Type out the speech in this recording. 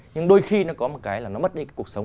nhưng đôi khi nó có một cái là nó mất đi cái cuộc sống